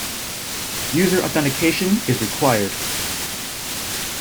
User authentication is required.